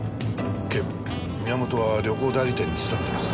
警部宮本は旅行代理店に勤めています。